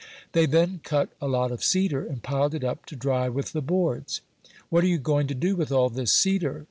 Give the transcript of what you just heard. They then cut a lot of cedar, and piled it up to dry with the boards. "What are you going to do with all this cedar?"